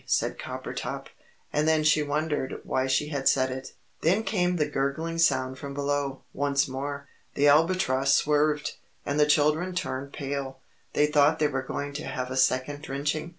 said Coppertop. And then she wondered why she had said it. Then came the gurgling sound from below, once more. The Albatross swerved, and the children turned pale they thought they were going to have a second drenching.